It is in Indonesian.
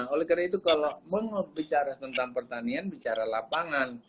oleh karena itu kalau mau bicara tentang pertanian bicara lapangan